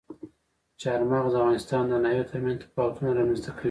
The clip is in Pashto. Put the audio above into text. چار مغز د افغانستان د ناحیو ترمنځ تفاوتونه رامنځته کوي.